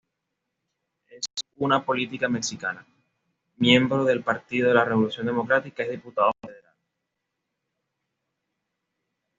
Es una política mexicana, miembro del Partido de la Revolución Democrática, es Diputada Federal.